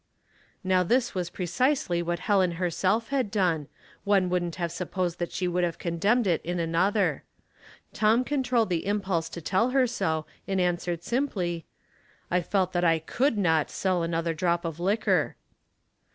Now as this was precisely what Helen herself had done, one wouldn't have supposed that she would have condemned it in another. Tom controlled the impulse to tell her so, and answered simply, —'' I felt that I could not sell another drop of liquor."